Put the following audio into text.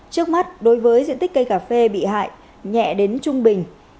trước mắt đối với diện tích cây cà phê bị hại nhẹ đến trung bình